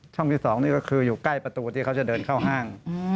ที่๒นี่ก็คืออยู่ใกล้ประตูที่เขาจะเดินเข้าห้าง